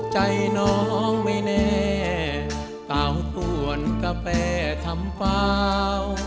ใจน้องไม่เน่เตาถวนกาแฟทำเปล่า